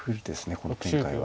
この展開は。